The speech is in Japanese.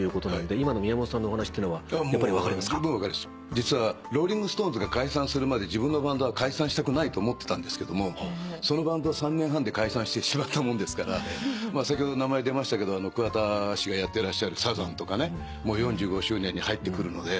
実はローリング・ストーンズが解散するまで自分のバンドは解散したくないと思ってたんですけどもそのバンドは３年半で解散してしまったもんですから先ほど名前出ましたけど桑田氏がやってらっしゃるサザンとかねもう４５周年に入ってくるので。